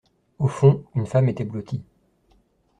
Au fond, une femme était blottie.